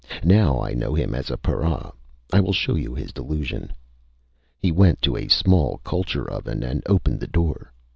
Now I know him as a para. I will show you his delusion." He went to a small culture oven and opened the door.